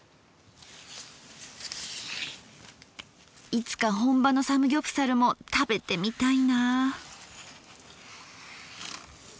いつか本場のサムギョプサルも食べてみたいなぁ。